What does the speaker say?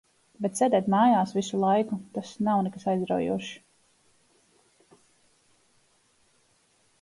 Bet sēdēt mājās visu laiku, tas nav nekas aizraujošs.